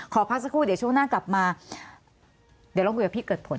ขอพักสักครูเดี๋ยวโชคหน้ากลับมาเดี๋ยวให้กดผล